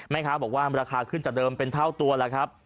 แม่ค้าบอกว่าราคาขึ้นจากเดิมเป็นเท่าตัวแล้วครับ